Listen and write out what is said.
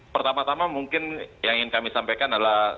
pertama tama mungkin yang ingin kami sampaikan adalah